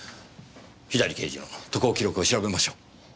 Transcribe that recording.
左刑事の渡航記録を調べましょう。